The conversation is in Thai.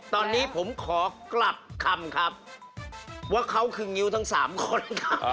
ตอนนี้ผมขอกลับคำครับว่าเขาคืองิ้วทั้ง๓คน